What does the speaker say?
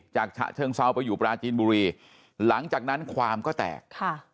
ฉะเชิงเซาไปอยู่ปราจีนบุรีหลังจากนั้นความก็แตกค่ะ